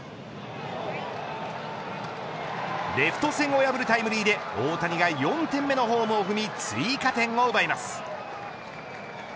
レフト線を破るタイムリーで大谷が４点目のホームを踏み、追加点を奪います。